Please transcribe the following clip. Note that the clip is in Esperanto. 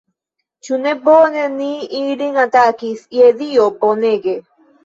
Ĉu ne bone ni ilin atakis, je Dio, bonege!